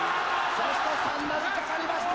そして４の字かかりました！